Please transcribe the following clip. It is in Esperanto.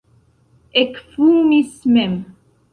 Ekfumis mem.